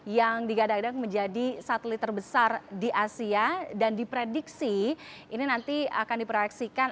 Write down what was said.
yang digadang gadang menjadi satelit terbesar di asia dan diprediksi ini nanti akan diproyeksikan